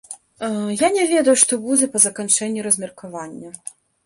Я не ведаю, што будзе па заканчэнні размеркавання.